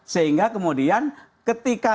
sehingga kemudian ketika